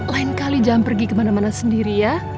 lain kali jangan pergi kemana mana sendiri ya